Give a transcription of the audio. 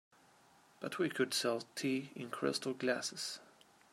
But we could sell tea in crystal glasses.